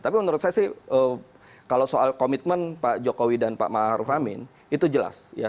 tapi menurut saya sih kalau soal komitmen pak jokowi dan pak maruf amin itu jelas